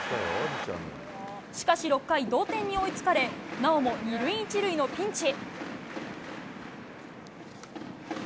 しかし６回、同点に追いつかれ、なおも２塁１塁のピンチ。